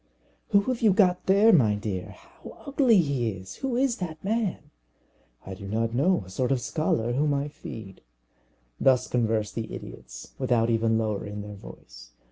"Who have you got there, my dear? How ugly he is! Who is that man?" "I do not know. A sort of scholar, whom I feed." Thus converse these idiots, without even lowering their voice.